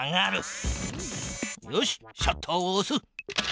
よしシャッターをおす。